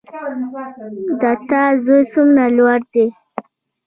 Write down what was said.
د تا زوی څومره لوړ ده